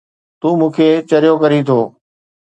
تون مون کي چريو ڪرين ٿو